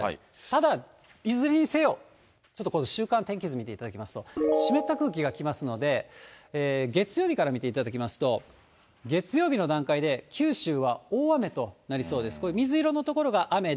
ただ、いずれにせよ、ちょっと週間天気図見ていただきますと、湿った空気が来ますので、月曜日から見ていただきますと、月曜日の段階で九州は大雨となりそうです。